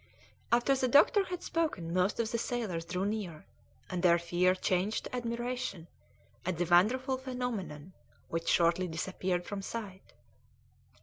After the doctor had spoken most of the sailors drew near, and their fear changed to admiration at the wonderful phenomenon, which shortly disappeared from sight.